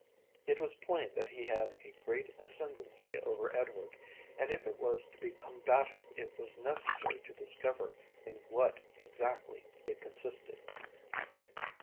It was plain that he had a great ascendency over Edward, and if it was to be combated it was necessary to discover in what exactly it consisted.